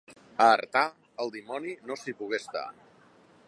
A Artà, el dimoni no s'hi pogué estar.